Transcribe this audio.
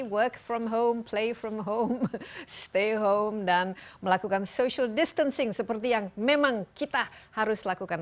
work from home play from home stay home dan melakukan social distancing seperti yang memang kita harus lakukan